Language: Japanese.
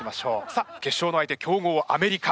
さあ決勝の相手強豪アメリカ。